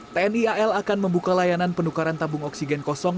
tni al akan membuka layanan penukaran tabung oksigen kosong